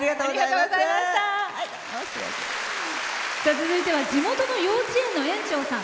続いては地元の幼稚園の園長さん。